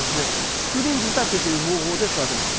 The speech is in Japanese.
スクリーン仕立てという方法で育てます。